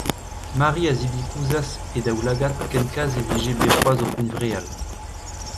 Mari a zibikouzas he daoulagad ken kaz e vije bet c’hoazh oc’h huñvreal.